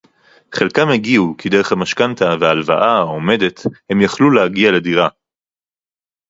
חלקם הגיעו כי דרך המשכנתה וההלוואה העומדת הם יכלו להגיע לדירה